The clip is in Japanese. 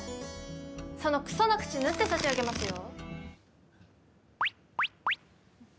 そのくそな口、縫って差し上げますよ。